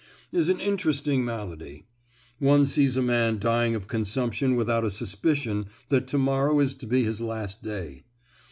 "is an interesting malady. One sees a man dying of consumption without a suspicion that to morrow is to be his last day.